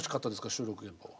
収録現場は。